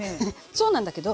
そうなんだけど。